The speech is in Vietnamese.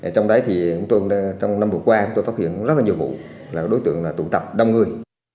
trong năm vừa qua tôi phát hiện rất nhiều vụ là đối tượng tụ tập đông người